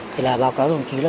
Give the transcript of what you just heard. thì là báo cáo đồng chí là